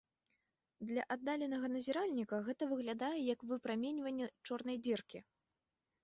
Для аддаленага назіральніка гэта выглядае як выпраменьванне чорнай дзіркі.